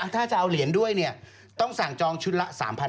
ถ้าจะเอาเหรียญด้วยต้องสั่งจองชุดละ๓๐๐